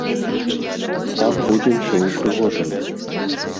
Там будзе ўсё ўпрыгожана.